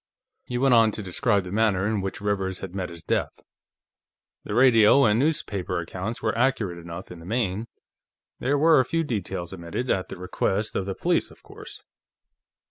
He went on to describe the manner in which Rivers had met his death. "The radio and newspaper accounts were accurate enough, in the main; there were a few details omitted, at the request of the police, of course."